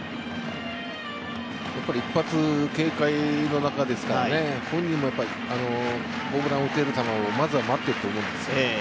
やっぱり一発警戒の中ですから本人も本人もやっぱりホームランを打てる球をまずは待っていると思います。